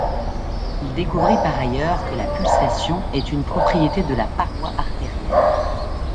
Il découvrit par ailleurs que la pulsation est une propriété de la paroi artérielle.